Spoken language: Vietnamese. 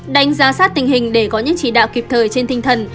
đánh giá sát tình hình để có những chỉ đạo kịp thời trên tinh thần